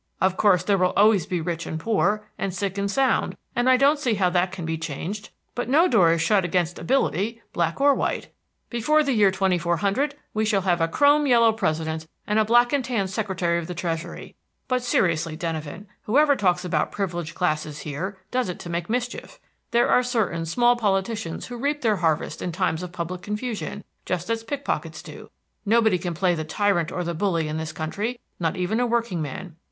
Of course there will always be rich and poor, and sick and sound, and I don't see how that can be changed. But no door is shut against ability, black or white. Before the year 2400 we shall have a chrome yellow president and a black and tan secretary of the treasury. But, seriously, Denyven, whoever talks about privileged classes here does it to make mischief. There are certain small politicians who reap their harvest in times of public confusion, just as pickpockets do. Nobody can play the tyrant or the bully in this country, not even a workingman.